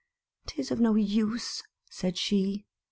" 'Tis of no use," said she.